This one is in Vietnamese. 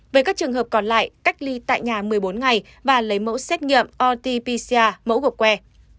về các trường hợp còn lại cách ly tại nhà một mươi bốn ngày và lấy mẫu xét nghiệm rt pcr mẫu gộp que